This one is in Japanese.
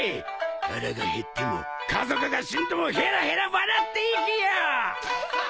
腹が減っても家族が死んでもへらへら笑って生きよ！